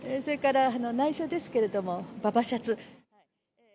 それから内緒ですけれども、ババシャツ。